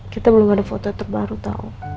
kita belum ada foto terbaru tahu